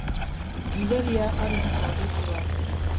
Gidaria arin zauritu da.